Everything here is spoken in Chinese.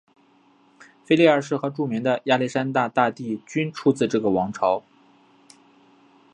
腓力二世和著名的亚历山大大帝均出自这个王朝。